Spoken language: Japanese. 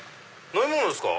飲み物ですか！